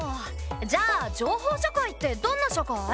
じゃあ情報社会ってどんな社会？